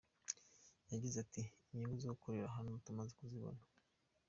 Yagize ati “Inyungu zo gukorera hano tumaze kuzibona.